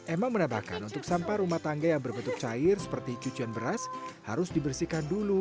emma menambahkan untuk sampah rumah tangga yang berbentuk cair seperti cucian beras harus dibersihkan dulu